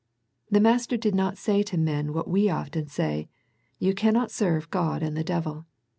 The Master did not say to men what we often say, " Ye cannot serve God and the devil."